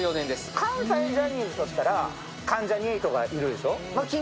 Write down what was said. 関西ジャニーズとしたら関ジャニ∞もいるでしょう。